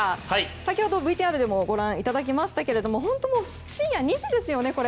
先ほどＶＴＲでもご覧いただきましたけど深夜２時ですよね。